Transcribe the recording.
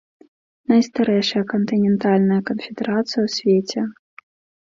Найстарэйшая кантынентальная канфедэрацыя ў свеце.